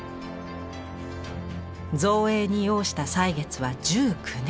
造営に要した歳月は１９年。